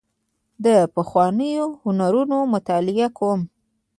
زه د پخوانیو هنرونو مطالعه کوم.